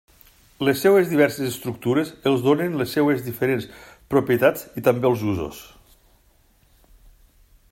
Les seves diverses estructures els donen les seves diferents propietats i també els usos.